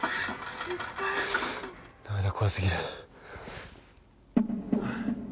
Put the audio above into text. ダメだ怖すぎる。